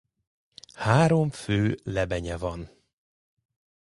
Három fő lebenye van.